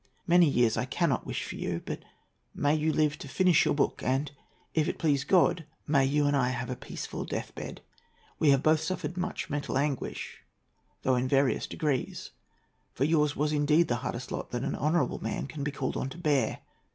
Many years I cannot wish for you; but may you live to finish your book, and, if it please God, may you and I have a peaceful death bed. We have both suffered much mental anguish, though in various degrees; for yours was indeed the hardest lot that an honourable man can be called on to bear.